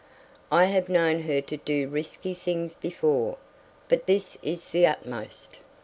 "I have known her to do risky things before, but this is the utmost."